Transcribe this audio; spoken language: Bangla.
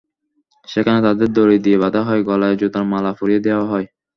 সেখানে তাদের দড়ি দিয়ে বাঁধা হয়, গলায় জুতার মালা পরিয়ে দেওয়া হয়।